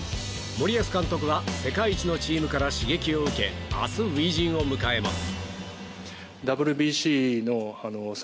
森保監督は世界一のチームから刺激を受け明日、初陣を迎えます。